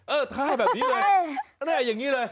เออค้าแบบนี้เลยแน่อย่างนี้เลย